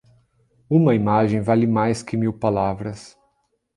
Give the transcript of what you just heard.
Uma imagem vale mais que mil palavras.